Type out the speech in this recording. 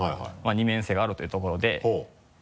二面性があるというところで。